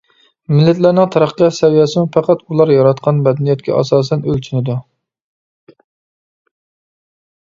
مىللەتلەرنىڭ تەرەققىيات سەۋىيەسىمۇ پەقەت ئۇلار ياراتقان مەدەنىيەتكە ئاساسەن ئۆلچىنىدۇ.